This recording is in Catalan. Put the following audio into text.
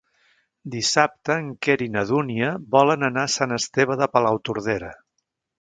Dissabte en Quer i na Dúnia volen anar a Sant Esteve de Palautordera.